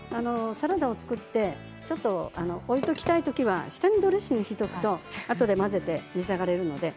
サラダを作って置いておきたい時には下にドレッシングを敷いておくとあとで混ぜて召し上がれます。